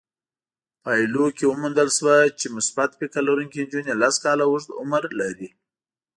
پايلو کې وموندل شوه چې مثبت فکر لرونکې نجونې لس کاله اوږد عمر لري.